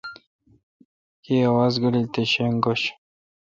کی آواز گیلڈ تے شینگ گوش۔